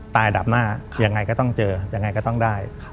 อันดับหน้ายังไงก็ต้องเจอยังไงก็ต้องได้